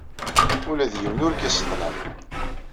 Ula d yiwen ur k-yesseḍlam.